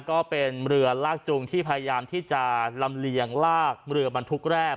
ก็เป็นเรือลากจูงที่พยายามที่จะลำเลียงลากเรือบรรทุกแร่